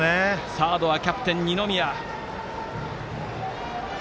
サードはキャプテン、二宮。